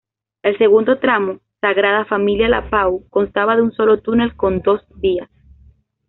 El segundo tramo, Sagrada Familia-La Pau, constaba de un solo túnel con dos vías.